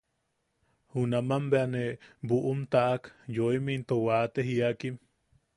Junaman bea ne buʼum taʼak yooim into wate jiakim.